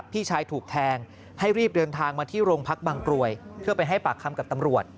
พี่ชายถูกแทงให้รีบเดินทางมาที่โรงพักบางกรวยเพื่อไปให้ปากคำกับตำรวจ